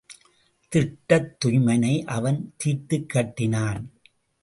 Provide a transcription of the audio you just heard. திட்டத் துய்மனை அவன் தீர்த்துக் கட்டினான்.